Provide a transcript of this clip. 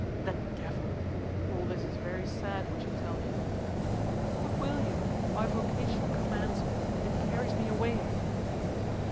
"The devil! All this is very sad which you tell me." "What will you? My vocation commands me; it carries me away."